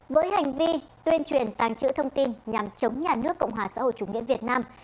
với hành vi tuyên truyền tàng trữ thông tin nhằm chống nhà nước cộng hòa xã hội chủ nghĩa việt nam